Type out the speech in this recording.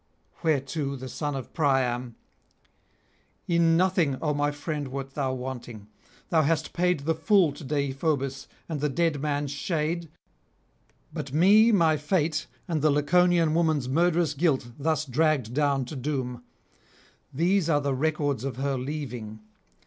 [509 541]Whereto the son of Priam: 'In nothing, O my friend, wert thou wanting; thou hast paid the full to Deïphobus and the dead man's shade. But me my fate and the Laconian woman's murderous guilt thus dragged down to doom; these are the records of her leaving.